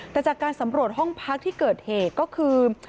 แต่จากการสำรวจห้องพักที่เกิดเหตุก็คือ